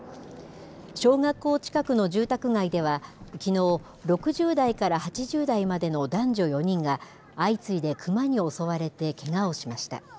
小学校近くの住宅街ではきのう、６０代から８０代までの男女４人が、相次いでクマに襲われてけがをしました。